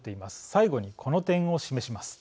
最後に、この点を示します。